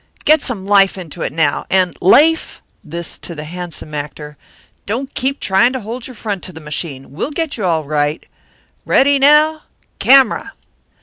Get some life into it, now, and Lafe" this to the handsome actor "don't keep trying to hold your front to the machine. We'll get you all right. Ready, now. Camera!"